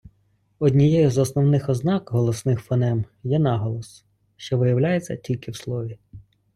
Однією з основних ознак голосних фонем є наголос, шо виявляється тільки в слові.